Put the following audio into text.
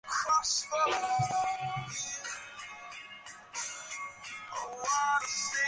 আমিও তাই করিয়াছি, কিন্তু দেবতার সহায়তায়।